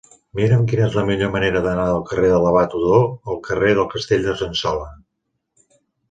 Mira'm quina és la millor manera d'anar del carrer de l'Abat Odó al carrer del Castell d'Argençola.